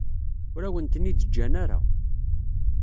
Ur awen-ten-id-ǧǧan ara.